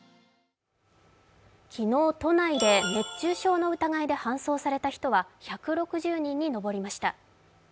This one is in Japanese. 昨日、都内で熱中症の疑いで搬送された人は１６０人に上りました。